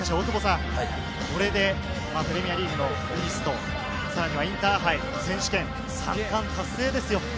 これでプレミアリーグのＥＡＳＴ、さらにはインターハイ、選手権、三冠達成ですよ。